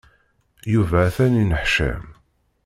Yuba atan yenneḥcam.